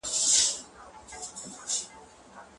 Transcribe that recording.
د جرګي غړو به د هیواد د عزت او وقار لپاره هڅي کولي.